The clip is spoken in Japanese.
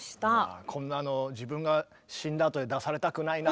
こんなの自分が死んだあとに出されたくないな。